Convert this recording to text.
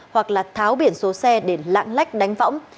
hoặc là tháo biển số xe để lạng lách đánh võng